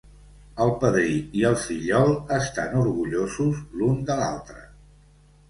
El padrí i el fillol estan orgullosos l"un de l"altre.